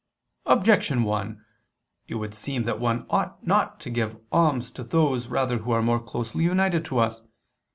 Objection 1: It would seem that one ought not to give alms to those rather who are more closely united to us.